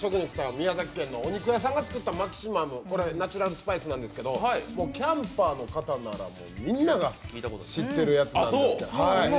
宮城県のお肉屋さんが作ったお塩なんですけどマキシマム、ナチュラルスパイスなんですけど、キャンパーの方ならみんな知ってるやつなんで。